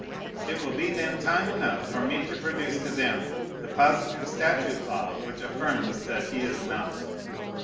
It will be then time enough for me to produce to them the positive statute law which affirms that he is not.